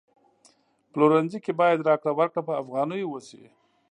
پلورنځي کی باید راکړه ورکړه په افغانیو وشي